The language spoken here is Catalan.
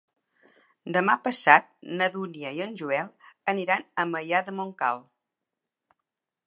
Demà passat na Dúnia i en Joel aniran a Maià de Montcal.